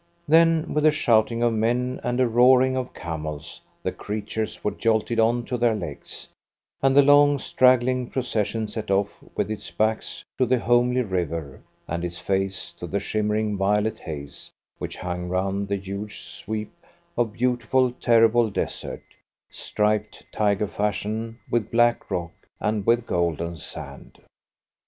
Then, with a shouting of men and a roaring of camels, the creatures were jolted on to their legs, and the long, straggling procession set off with its back to the homely river, and its face to the shimmering, violet haze, which hung round the huge sweep of beautiful, terrible desert, striped tiger fashion with black rock and with golden sand.